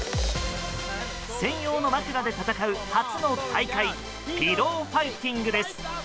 専用枕で戦う初の大会ピローファイティングです。